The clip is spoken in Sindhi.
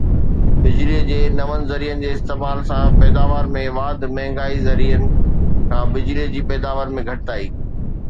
بجلي جي نون ذريعن جي استعمال سان پيداوار ۾ واڌ مهانگي ذريعن کان بجلي جي پيداوار ۾ گهٽتائي